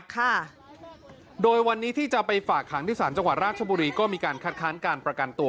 ค่ะโดยวันนี้ที่จะไปฝากขังที่ศาลจังหวัดราชบุรีก็มีการคัดค้านการประกันตัว